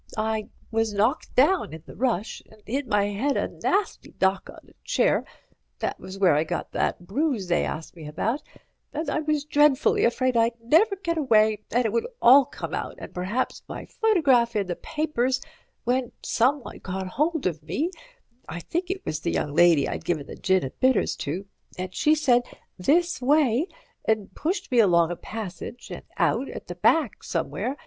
I was knocked down in the rush, and hit my head a nasty knock on a chair—that was where I got that bruise they asked me about—and I was dreadfully afraid I'd never get away and it would all come out, and perhaps my photograph in the papers, when someone caught hold of me—I think it was the young lady I'd given the gin and bitters to—and she said, 'This way,' and pushed me along a passage and out at the back somewhere.